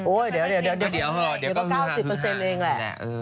โอ๊ยเดี๋ยวเดี๋ยวเดี๋ยวก็๙๐เองแหละ